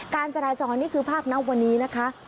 การจราจรนี่คือภาพณวันนี้นะคะ